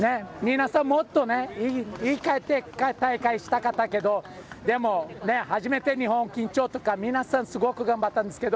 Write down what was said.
皆さん、もっとねいい大会にしたかったけどでも、初めて日本、緊張とかすごく頑張ったんですけど。